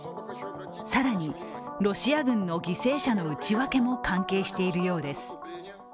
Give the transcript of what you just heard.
更にロシア軍の犠牲者の内訳も関係しているようです。